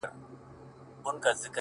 ځكه له يوه جوړه كالو سره راوتـي يــو،